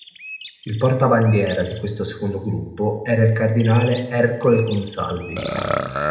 Il portabandiera di questo secondo gruppo era il cardinale Ercole Consalvi.